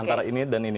antara ini dan ini